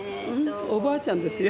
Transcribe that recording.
おばあちゃんですよ。